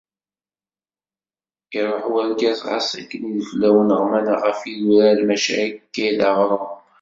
Iruḥ urgaz γas akken ideflawen ɣman γef yidurar, maca akka i d aɣrum.